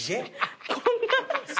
こんな。